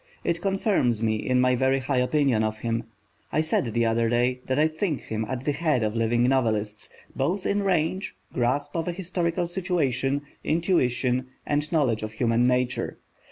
It confirms me in my very high opinion of him. I said the other day that I think him at the head of living novelists, both in range, grasp of a historical situation, intuition and knowledge of human nature.